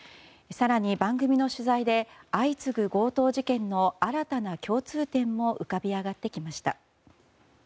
更に番組の取材で相次ぐ強盗事件の新たな共通点も浮かび上がってきました。